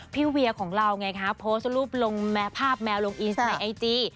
เวียของเราไงคะโพสต์รูปลงภาพแมวลงอินส์ในไอจี